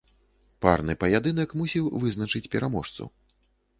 Парны паядынак мусіў вызначыць пераможцу.